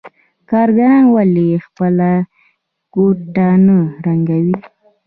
کارګران ولې خپله کوټه نه رنګوي